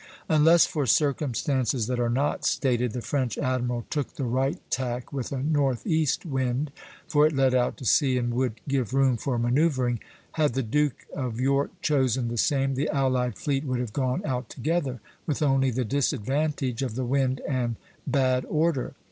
Unless for circumstances that are not stated, the French admiral took the right tack, with a northeast wind, for it led out to sea and would give room for manoeuvring; had the Duke of York chosen the same, the allied fleet would have gone out together, with only the disadvantage of the wind and bad order.